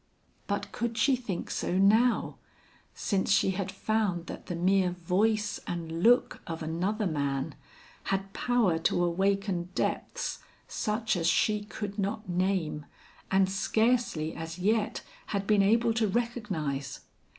But could she think so now, since she had found that the mere voice and look of another man had power to awaken depths such as she could not name and scarcely as yet had been able to recognize?